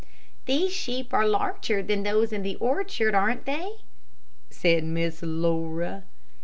"These sheep are larger than those in the orchard, aren't they?" said Miss Laura.